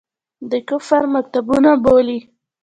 د کفر مکتبونه بولي.